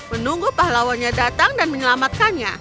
menunggu pahlawannya datang dan menyelamatkannya